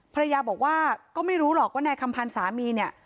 ภรรยาบอกว่าก็ไม่รู้หรอกว่านายคำพันธ์สามีเนี่ย